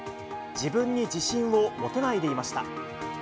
自分に自信を持てないでいました。